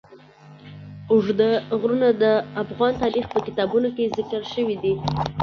اوږده غرونه د افغان تاریخ په کتابونو کې ذکر شوی دي.